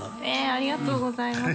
ありがとうございます。